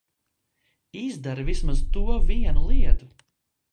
Izdari vismaz to vienu lietu!